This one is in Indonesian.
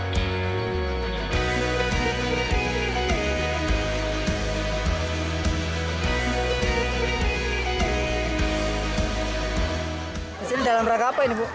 disini dalam reka apa ini bu